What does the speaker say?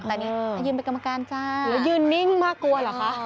แต่นี่ยืนเป็นกรรมการจ้าแล้วยืนนิ่งมากกลัวเหรอคะ